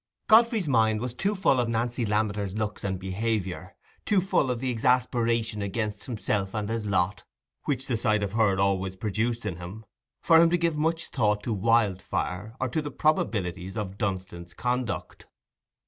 Godfrey's mind was too full of Nancy Lammeter's looks and behaviour, too full of the exasperation against himself and his lot, which the sight of her always produced in him, for him to give much thought to Wildfire, or to the probabilities of Dunstan's conduct.